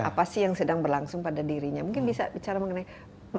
apa sih yang sedang berlangsung pada dirinya mungkin bisa bicara mengenai